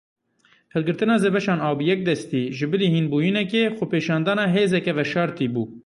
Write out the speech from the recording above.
Hilgirtina zebeşan a bi yek destî, ji bilî hînbûniyekê, xwepêşandana hêzeke veşartî bû.